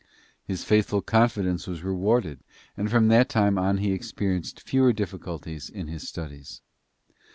His faithful confidence was rewarded and from that time on he experienced fewer difficulties in his studies.